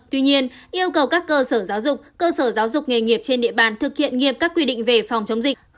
tuy nhiên yêu cầu các cơ sở giáo dục cơ sở giáo dục nghề nghiệp trên địa bàn thực hiện nghiệp các quy định về phòng chống dịch